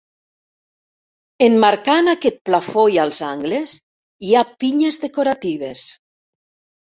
Emmarcant aquest plafó i als angles, hi ha pinyes decoratives.